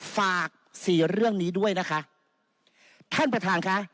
ฝากสี่เรื่องนี้ด้วยนะคะท่านประธานค่ะ